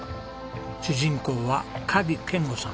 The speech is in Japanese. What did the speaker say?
主人公は鍵賢吾さん